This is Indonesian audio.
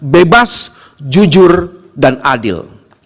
bebas jujur dan adil